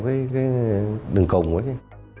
cái đường cùng đó chứ